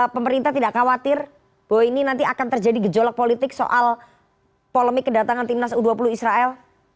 pemerintah tidak khawatir bahwa ini nanti akan terjadi gejolak politik soal polemik kedatangan timnas u dua puluh israel